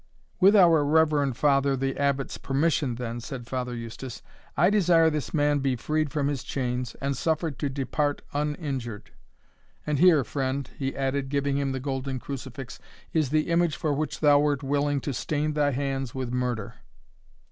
"With our reverend father the Abbot's permission, then," said Father Eustace, "I desire this man be freed from his chains, and suffered to depart uninjured; and here, friend," he added, giving him the golden crucifix, "is the image for which thou wert willing to stain thy hands with murder.